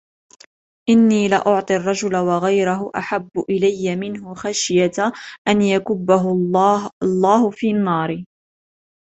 إِنِّي لَأُعْطِي الرَّجُلَ وَغَيْرُهُ أَحَبُّ إِلَيَّ مِنْهُ خَشْيَةَ أَنْ يَكُبَّهُ اللَّهُ فِي النَّارِ.